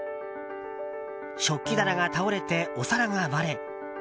食器棚が倒れて、お皿が割れ。